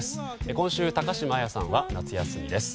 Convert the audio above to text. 今週、高島彩さんは夏休みです。